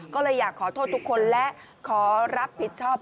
ก็เลยอยากขอโทษทุกคนและขอรับผิดชอบ